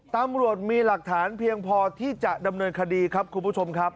ตำรวจมีหลักฐานเพียงพอที่จะดำเนินคดีครับคุณผู้ชมครับ